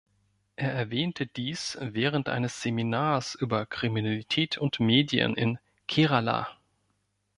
Er erwähnte dies während eines Seminars über „Kriminalität und Medien“ in Kerala.